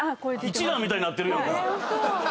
一蘭みたいになってるやん。